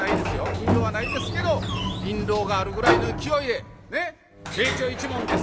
印籠はないですけど印籠があるぐらいの勢いで「米朝一門です」